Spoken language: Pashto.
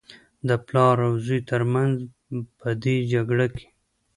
د پلار او زوى تر منځ په دې جګړه کې.